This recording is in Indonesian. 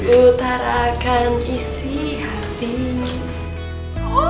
utarakan isi hati